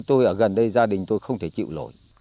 tôi ở gần đây gia đình tôi không thể chịu lỗi